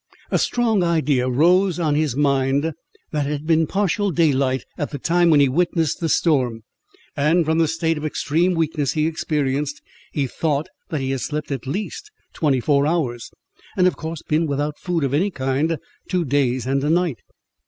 A strong idea rose on his mind, that it had been partial daylight at the time when he witnessed the storm; and from the state of extreme weakness he experienced, he thought that he had slept at least twenty four hours, and of course been without food of any kind two days and a night.